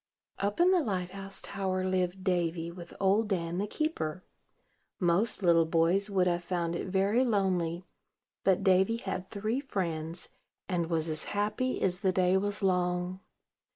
Up in the light house tower lived Davy, with Old Dan the keeper. Most little boys would have found it very lonely; but Davy had three friends, and was as happy as the day was long.